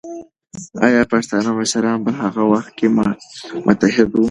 ایا پښتانه مشران په هغه وخت کې متحد وو؟